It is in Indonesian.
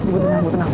bu tenang bu tenang